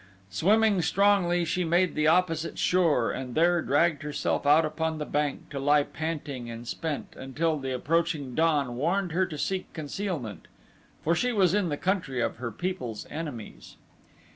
Swimming strongly she made the opposite shore and there dragged herself out upon the bank to lie panting and spent until the approaching dawn warned her to seek concealment, for she was in the country of her people's enemies.